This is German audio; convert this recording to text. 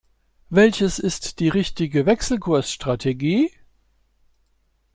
Welches ist die richtige Wechselkursstrategie?